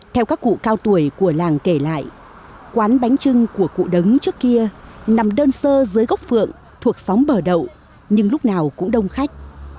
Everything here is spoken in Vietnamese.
theo các cụ cao tuổi của làng kể lại quán bánh trưng của cụ đấng trước kia nằm đơn sơ dưới gốc phượng thuộc xóm bờ đậu nhưng lúc nào cũng đông khách